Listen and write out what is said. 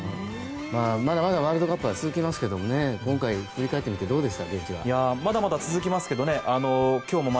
まだまだワールドカップは続きますけど今回、振り返ってみて現地はどうでした？